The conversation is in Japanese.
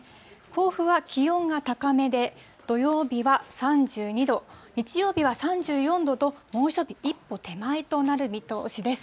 甲府は気温が高めで、土曜日は３２度、日曜日は３４度と、猛暑日一歩手前となる見通しです。